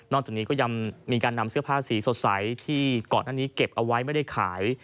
จากนี้ก็ยังมีการนำเสื้อผ้าสีสดใสที่ก่อนหน้านี้เก็บเอาไว้ไม่ได้ขาย